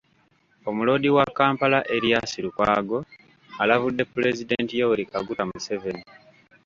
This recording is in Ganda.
Omuloodi wa Kampala Erias Lukwago alabudde Pulezidenti Yoweri Kaguta Museveni .